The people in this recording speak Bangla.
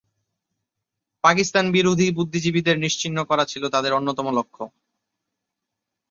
পাকিস্তান বিরোধী বুদ্ধিজীবীদের নিশ্চিহ্ন করা ছিল তাদের অন্যতম লক্ষ্য।